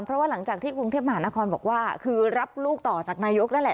เพราะว่าหลังจากที่กรุงเทพมหานครบอกว่าคือรับลูกต่อจากนายกนั่นแหละ